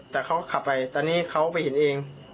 แต่เขาขับไปตอนนี้เขาไปเห็นเอง